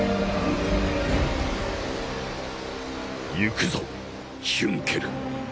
行くぞヒュンケル。